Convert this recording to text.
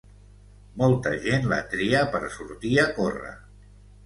Molta gent la tria per sortir a córrer